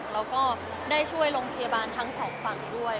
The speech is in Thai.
แล้วก็ได้ช่วยโรงพยาบาลทั้งสองฝั่งด้วย